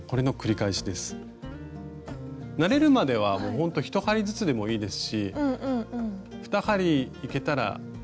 慣れるまではもうほんと１針ずつでもいいですし２針いけたらうれしいかなっていうぐらいです。